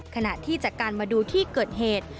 ขณะที่จากการมาดูที่เกิดเหตุ